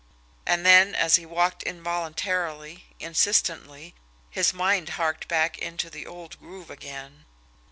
And then, as he walked, involuntarily, insistently, his mind harked back into the old groove again.